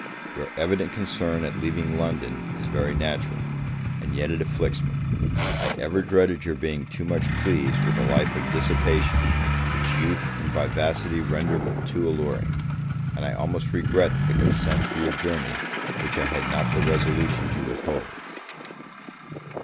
Your evident concern at leaving London is very natural, and yet it afflicts me. I ever dreaded your being too much pleased with a life of dissipation, which youth and vivacity render but too alluring; and I almost regret the consent for your journey, which I had not the resolution to withhold.